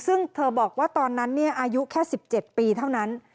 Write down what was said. ซึ่งเธอบอกว่าตอนนั้นอายุแค่๑๗ปีเท่านั้น